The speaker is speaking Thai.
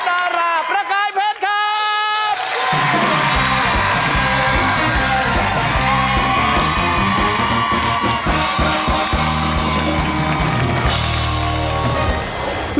ครับเฟชนาลาประกายเพชรครับ